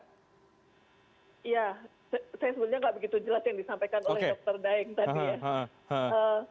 saya sebenarnya tidak begitu jelas yang disampaikan oleh dokter daeng tadi